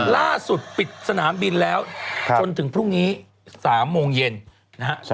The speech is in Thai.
ล่าสุดปิดสนามบินแล้วจนถึงพรุ่งนี้๓โมงเย็นนะฮะ